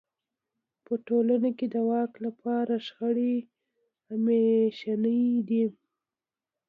په ټولنو کې د واک لپاره شخړې همېشنۍ دي.